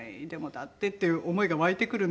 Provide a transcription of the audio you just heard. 「だって」っていう思いが湧いてくるんですよね。